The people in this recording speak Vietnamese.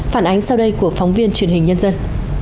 phản ánh sau đây của phóng viên truyền hình nhân dân